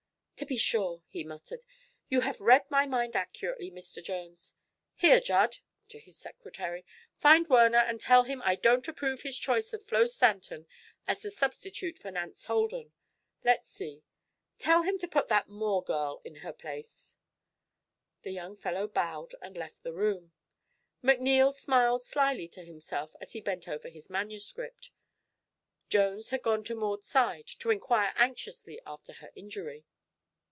"To be sure!" he muttered. "You have read my mind accurately, Mr. Jones. Here, Judd," to his secretary, "find Werner and tell him I don't approve his choice of Flo Stanton as a substitute for Nance Holden. Let's see; tell him to put that Moore girl in her place." The young fellow bowed and left the room. McNeil smiled slyly to himself as he bent over his manuscript. Jones had gone to Maud's side to inquire anxiously after her injury.